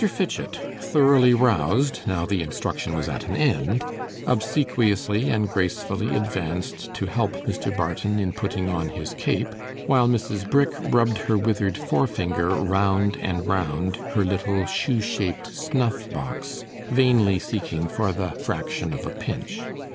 Fitchett, thoroughly roused now the instruction was at an end, obsequiously and gracefully advanced to help Mr. Barton in putting on his cape, while Mrs. Brick rubbed her withered forefinger round and round her little shoe shaped snuff box, vainly seeking for the fraction of a pinch.